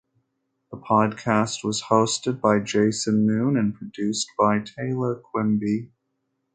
The podcast was hosted by Jason Moon and produced by Taylor Quimby.